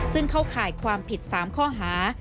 ซึ่งเข้าข่ายความผิด๓ข้อหา